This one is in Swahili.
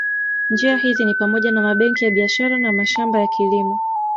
Njia hizi ni pamoja na mabenki ya biashara na mashamba ya kilimo